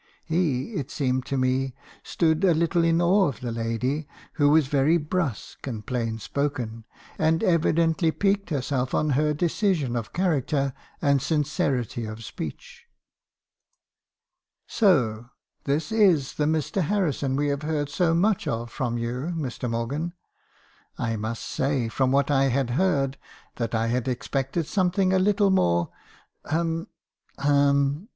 He , it seemed to me, stood a little in awe of the lady, who was very brusque and plain spoken , and evidently piqued herself on her decision of character and sincerity of speech. 246 mk. hakeison's confessions. " 'So, this is the Mr. Harrison we have heard so much of from you, Mr. Morgan? I must say, from what I had heard, that I had expected something a little more — hum — hum!